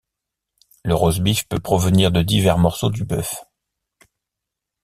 Le rosbif peut provenir de divers morceaux du bœuf.